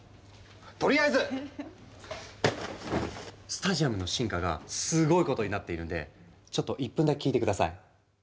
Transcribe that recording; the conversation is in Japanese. とりあえずスタジアムの進化がすごいことになっているんでちょっと１分だけ聞いて下さい。